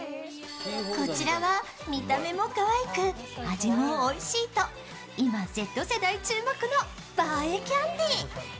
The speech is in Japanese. こちらは見た目もかわいく味もおいしいと今、Ｚ世代注目の映えキャンディ。